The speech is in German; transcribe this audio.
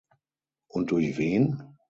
Und durch wen?